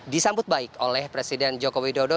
disambut baik oleh presiden joko widodo